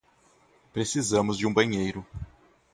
Precisamos de um banheiro.